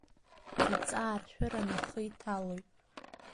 Иҵааршәыран ухы иҭалоит.